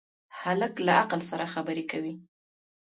هلک له عقل سره خبرې کوي.